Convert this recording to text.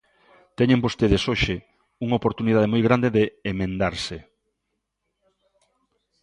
Teñen vostedes hoxe unha oportunidade moi grande de emendarse.